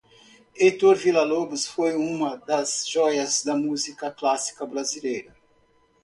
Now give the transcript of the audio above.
Heitor Villa-Lobos foi uma das joias da música clássica brasileira